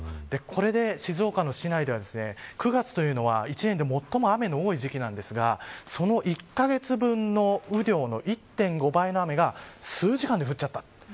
これで静岡の市内では９月というのは１年で最も雨の多い時期なんですがその１カ月分の雨量の１．５倍の雨が数時間で降っちゃった。